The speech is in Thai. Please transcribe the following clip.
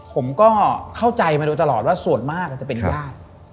ผมก็เข้าใจมาโดยตลอดว่าส่วนมากจะเป็นญาติ